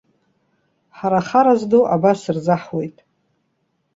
Ҳара, ахара зду абас рзаҳуеит!